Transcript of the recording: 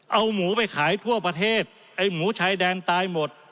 เอาหมูไปขายทั่วประเทศไอ้หมูชายแดนตายหมด